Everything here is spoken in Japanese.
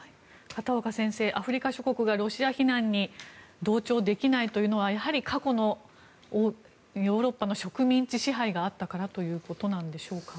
片岡先生、アフリカ諸国がロシア非難に同調できないというのはやはり過去のヨーロッパの植民地支配があったからということなんでしょうか。